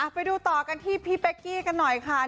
ไปดูต่อกันที่พี่เป๊กกี้กันหน่อยค่ะ